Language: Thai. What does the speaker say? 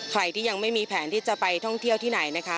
ใครที่ยังไม่มีแผนที่จะไปท่องเที่ยวที่ไหนนะคะ